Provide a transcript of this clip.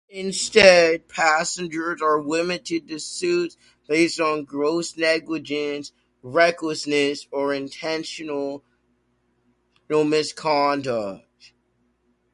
Instead, passengers are limited to suits based on gross negligence, recklessness, or intentional misconduct.